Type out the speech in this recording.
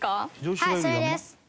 はいそれです。